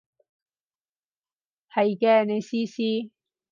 係嘅，你試試